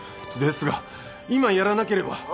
ですが今やらなければ。